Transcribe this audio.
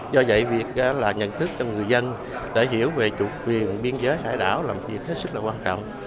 do vậy việc là nhận thức cho người dân để hiểu về chủ quyền biên giới hải đảo là một việc hết sức là quan trọng